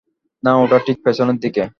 না, ওটা ঠিক পেছনের দিকে।